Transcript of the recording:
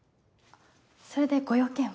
それでご用件は？